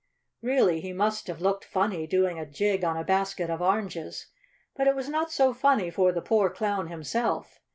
Really he must have looked funny, doing a jig on a basket of oranges, but it was not so funny for the poor Clown himself.